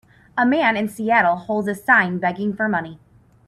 A man in Seattle holds a sign begging for money.